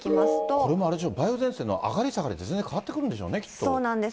これもあれでしょ、梅雨前線の上がり下がりで、全然変わってくるんでしょうね、きっそうなんです。